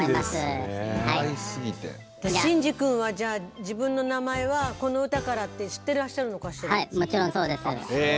しんじ君は自分の名前はこのうたからって知ってらっしゃるのかしら？